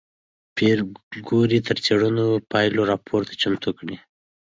پېیر کوري د څېړنو د پایلو راپور چمتو کړ.